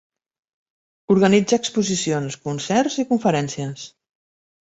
Organitza exposicions, concerts i conferències.